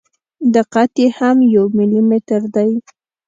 دقت یې هم یو ملي متر دی.